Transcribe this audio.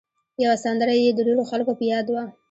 یوه سندره یې د ډېرو خلکو په یاد وه.